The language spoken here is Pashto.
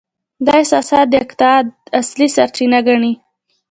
دا احساسات د اقتدار اصلي سرچینه ګڼي.